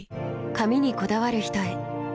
髪にこだわる人へ。